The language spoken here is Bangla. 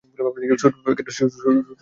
শুটু, কী করছিস তুই?